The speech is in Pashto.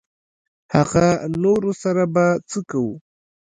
هغه نورو سره به څه کوو.